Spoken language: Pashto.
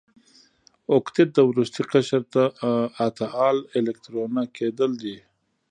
اوکتیت د وروستي قشر اته ال الکترونه کیدل دي.